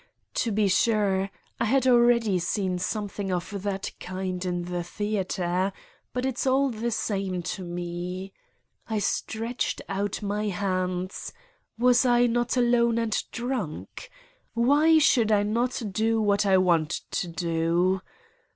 .. To be sure, I had already seen something of that kind in the theater, but it's all the same to me : I stretched out my hands was I not alone and drunk! Why should I not do what I want to do?